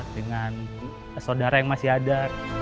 dengan saudara yang masih ada